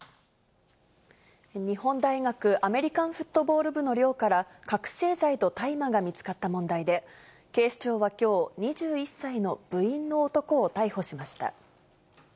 日本大学アメリカンフットボール部の寮から、覚醒剤と大麻が見つかった問題で、警視庁はきょう、２１歳の部員の男を逮捕しました。